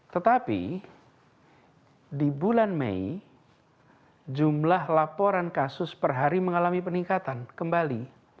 tetapi di bulan mei jumlah laporan kasus per hari mengalami peningkatan kembali